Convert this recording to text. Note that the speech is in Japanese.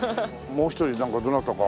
もう一人なんかどなたか。